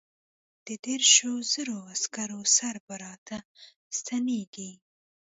د دیرشو زرو عسکرو سره به را ستنېږي.